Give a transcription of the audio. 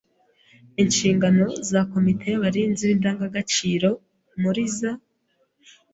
Inshingano za komite y’abarinzi b’indangagaciro muri za